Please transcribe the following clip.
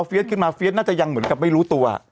ขึ้นมาเฟียสน่าจะยังเหมือนกับไม่รู้ตัว